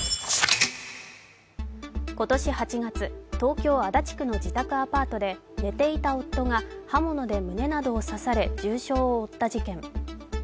今年８月、東京・足立区の自宅アパートで、寝ていた夫が刃物で胸などを刺され重傷を負った事件。